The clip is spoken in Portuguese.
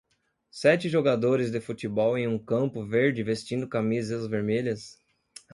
Sete jogadores de futebol em um campo verde vestindo camisas vermelhas